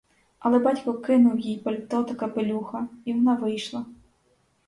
Але батько кинув їй пальто та капелюха, і вона вийшла.